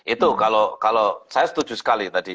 itu kalau saya setuju sekali tadi